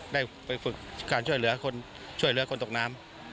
ได้ไปฝึกการช่วยเหลือคนตกน้ำ